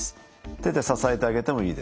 手で支えてあげてもいいです。